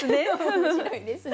面白いですね。